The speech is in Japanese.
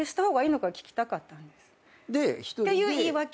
っていう言い訳。